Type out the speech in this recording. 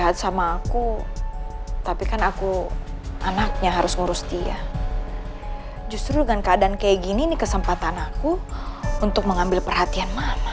tapi kan aku anaknya harus ngurus dia justru dengan keadaan kayak gini ini kesempatan aku untuk mengambil perhatian mama